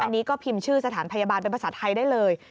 อันนี้ก็พิมพ์ชื่อสถานพยาบาลเป็นภาษาไทยได้เลย